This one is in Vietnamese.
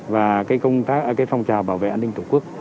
và phong trào bảo vệ an ninh tổ quốc